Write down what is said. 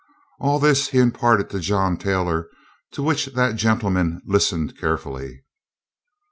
All this he imparted to John Taylor, to which that gentleman listened carefully.